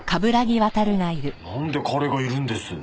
ちょっとなんで彼がいるんです？